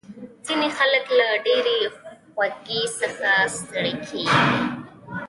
ځینې خلک له ډېرې خوږې څخه ستړي کېږي.